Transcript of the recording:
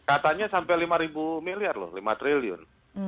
katanya sampai lima miliar loh lima triliun